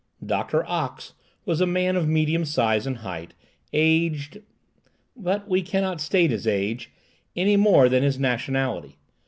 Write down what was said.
Doctor Ox was a man of medium size and height, aged—: but we cannot state his age, any more than his nationality.